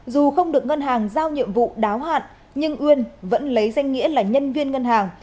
dù không được ngân hàng giao nhiệm vụ đáo hạn nhưng uyên vẫn lấy danh nghĩa là nhân viên ngân hàng